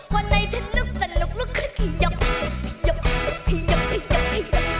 วันไหนเธอนุกสนุกลุกขึ้นขยับขยับขยับขยับขยับ